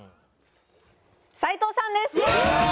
斉藤さんです！